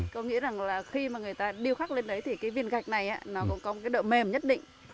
có nghĩa là khi mà người ta điêu khắc lên đấy thì cái viên gạch này nó cũng có cái độ mềm nhất định